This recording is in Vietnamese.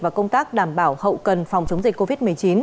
và công tác đảm bảo hậu cần phòng chống dịch covid một mươi chín